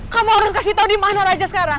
kamu harus kasih tau dimana raja sekarang